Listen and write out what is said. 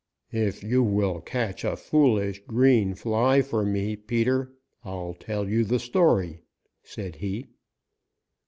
"If you will catch a foolish green fly for me, Peter, Ill tell you the story," said he.